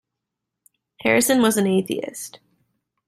Harrison was an atheist.